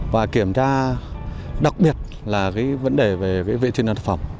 và kiểm tra đặc biệt là cái vấn đề về cái vệ truyền đoàn thực phẩm